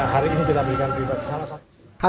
hari ini kita melihatkan